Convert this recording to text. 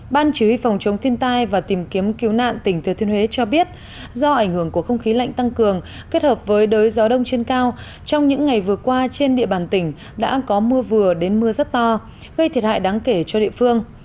ban chỉ huy phòng chống thiên tai và tìm kiếm cứu nạn tỉnh thừa thiên huế cho biết do ảnh hưởng của không khí lạnh tăng cường kết hợp với đới gió đông trên cao trong những ngày vừa qua trên địa bàn tỉnh đã có mưa vừa đến mưa rất to gây thiệt hại đáng kể cho địa phương